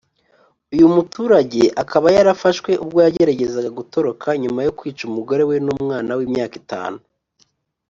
Uyu muturage akaba yafashwe ubwo yageragezaga gutoroka nyuma yo kwica umugore we n’umwana w’imyaka itanu